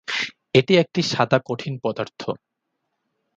এটি একটি সাদা কঠিন পদার্থ।